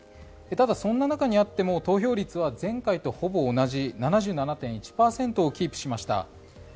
ただ、そんな中にあっても投票率は前回とほぼ同じ７７．１％をキープしました。